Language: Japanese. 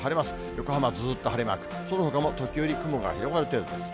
横浜、ずーっと晴れマーク、そのほかも時折、雲が広がる程度です。